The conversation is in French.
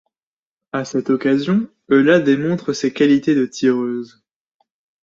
À cette occasion, Eula démontre ses qualités de tireuse.